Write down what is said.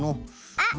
あっ！